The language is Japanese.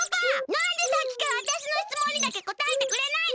なんでさっきからわたしのしつもんにだけこたえてくれないの？